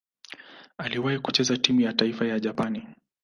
Aliwahi kucheza timu ya taifa ya Japani.